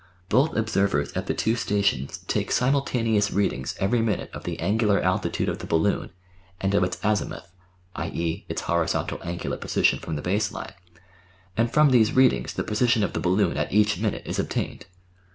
Both observers at the two stations take simultaneous readings every minute of the angular altitude of the balloon and of its azimuth (i.e. its hori zontal angular position from the base line), and from these read ings the position of the balloon at each minute is obtained.